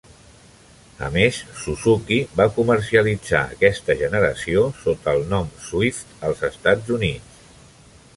A més, Suzuki va comercialitzar aquesta generació sota el nom "Swift" als Estats Units.